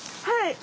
はい。